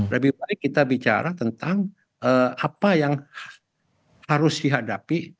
lebih baik kita bicara tentang apa yang harus dihadapi